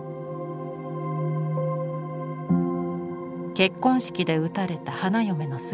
結婚式で撃たれた花嫁の姿。